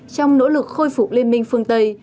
trong nỗ lực khôi phục liên minh phương tây